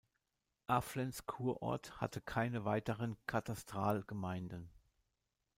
Aflenz Kurort hatte keine weiteren Katastralgemeinden.